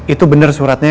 itu bener suratnya